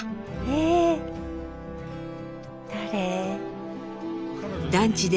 え⁉誰？